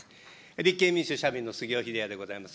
立憲民主・社民の杉尾秀哉でございます。